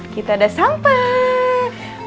kita udah sampai